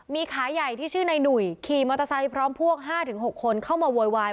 มีขาใหญ่ที่ชื่อนายหนุ่ยขี่มอเตอร์ไซค์พร้อมพวก๕๖คนเข้ามาโวยวาย